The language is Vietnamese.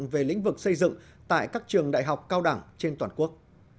về lĩnh vực xây dựng tại các trường đại học cao đẳng trên toàn quốc